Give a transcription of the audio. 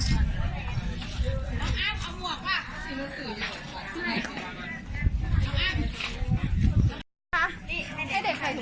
สวัสดีพวกโวสวัสดีพวกตลาด